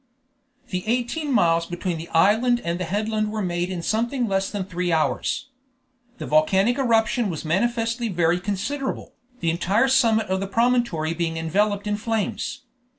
The eighteen miles between the island and the headland were made in something less than three hours. The volcanic eruption was manifestly very considerable, the entire summit of the promontory being enveloped in flames.